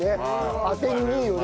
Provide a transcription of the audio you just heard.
あてにいいよね。